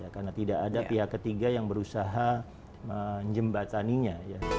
karena tidak ada pihak ketiga yang berusaha menjembataninya